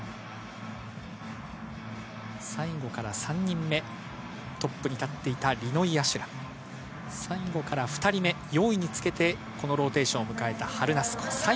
最後から３人目、トップに立っているリノイ・アシュラム、最後から２人目、４位につけているローテーションを迎えるハルナスコ。